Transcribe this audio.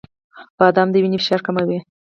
• بادام د وینې فشار کموي.